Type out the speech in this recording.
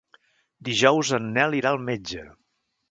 Dijous en Nel irà al metge.